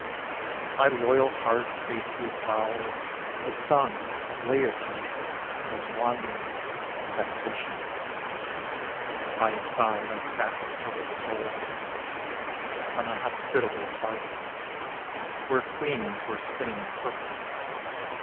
My loyal heart faithfully followed The son of Laertes in his wanderings and vexations, By his side I sat with troubled soul, On the hospitable hearth Where queens were spinning purple.